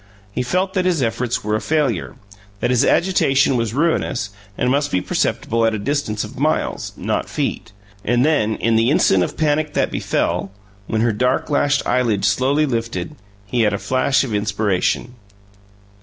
He felt that his efforts were a failure; that his agitation was ruinous and must be perceptible at a distance of miles, not feet. And then, in the instant of panic that befell, when her dark lashed eyelids slowly lifted, he had a flash of inspiration.